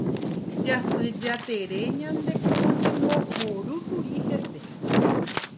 Jasy Jatere ndaje oñembohorýkuri hese.